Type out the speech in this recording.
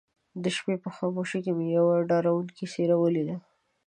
د شپې په خاموشۍ کې مې يوه ډارونکې څېره وليده.